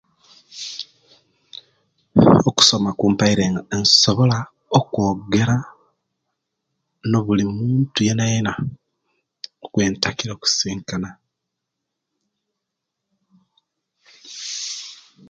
Okusoma kumpaire nsobola okwogera, no'bulimuntu yenayena ejentakire okusisinkana.